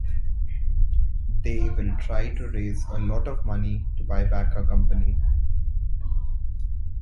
They will to try to raise a lot of money to buy back a company.